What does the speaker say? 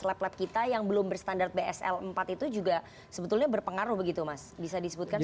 lab lab kita yang belum berstandar bsl empat itu juga sebetulnya berpengaruh begitu mas bisa disebutkan